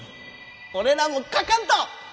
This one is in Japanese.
俺らも書かんと！